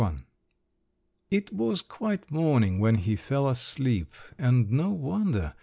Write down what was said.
XXI It was quite morning when he fell asleep. And no wonder!